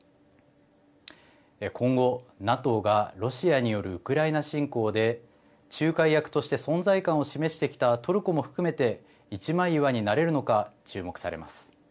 今後ＮＡＴＯがロシアによるウクライナ侵攻で仲介役として存在感を示してきたトルコも含めて一枚岩になれるのか注目されます。